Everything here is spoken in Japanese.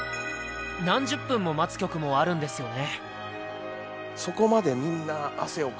何十分も待つ曲もあるんですよね。